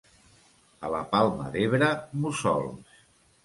A la Palma d'Ebre, mussols.